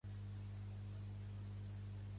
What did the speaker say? I en el Skáldskaparmál com apareix?